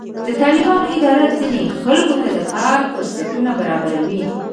د طالبانو اداره ځینې خلکو ته د کار فرصتونه برابروي.